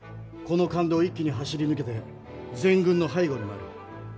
この間道を一気に走り抜けて全軍の背後に回る。